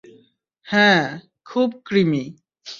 হ্যাঁ, খুব ক্রিমি।